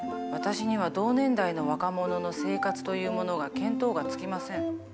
私には同年代の若者の生活というものが見当がつきません。